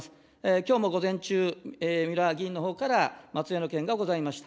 きょうも午前中、三浦議員のほうから松江の件がございました。